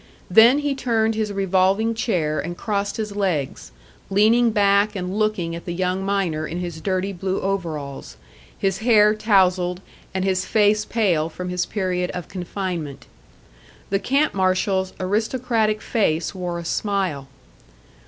Then he turned his revolving chair and crossed his legs, leaning back and looking at the young miner in his dirty blue overalls, his hair tousled and his face pale from his period of confinement. The camp marshal's aristocratic face wore a smile.